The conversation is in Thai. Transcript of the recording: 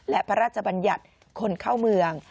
และพระราชบัญญัติคนเข้าเมือง